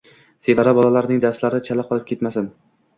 Sevara bolalarning darslari chala qolib ketmasin.